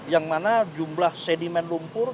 yang mana jumlah sedimen lumpur